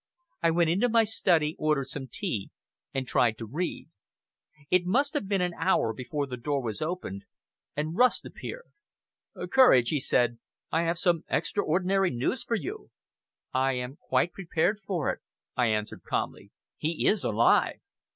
I went into my study, ordered some tea, and tried to read. It must have been an hour before the door was opened, and Rust appeared. "Courage," he said, "I have some extraordinary news for you." "I am quite prepared for it," I answered calmly. "He is alive!"